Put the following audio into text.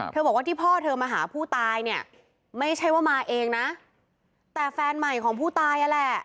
บอกว่าที่พ่อเธอมาหาผู้ตายเนี่ยไม่ใช่ว่ามาเองนะแต่แฟนใหม่ของผู้ตายนั่นแหละ